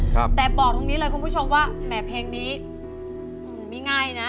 ครับแต่บอกตรงนี้เลยคุณผู้ชมว่าแหม่เพลงนี้มันไม่ง่ายนะ